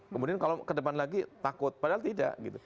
kemudian kalau kedepan lagi takut padahal tidak gitu